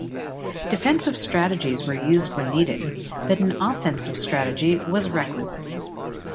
Defensive strategies were used when needed, but an offensive strategy was requisite.